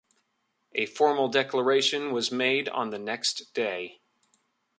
A formal declaration was made on the next day.